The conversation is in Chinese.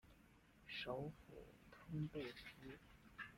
首府通贝斯。